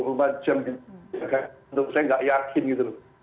untuk saya nggak yakin gitu loh